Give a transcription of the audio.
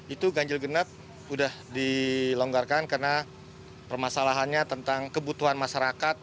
itu ganjil genap sudah dilonggarkan karena permasalahannya tentang kebutuhan masyarakat